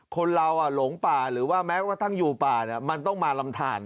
คนเราอ่ะหลงป่าหรือว่าแม้ว่าตั้งอยู่ป่าเนี่ยมันต้องมารำทาน